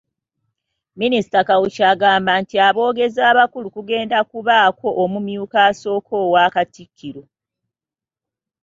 Minisita Kawuki agamba nti aboogezi abakulu kugenda kubaako omumyuka asooka owa Katikkiro .